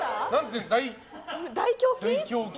大胸筋？